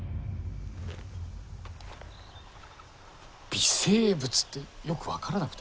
微生物ってよく分からなくて。